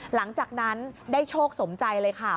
หลังจากนั้นได้โชคสมใจเลยค่ะ